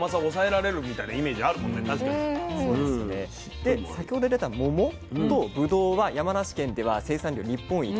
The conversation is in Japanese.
で先ほど出た桃とぶどうは山梨県では生産量日本一。